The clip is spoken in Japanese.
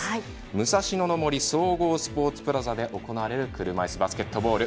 武蔵野の森総合スポーツプラザで行われる車いすバスケットボール。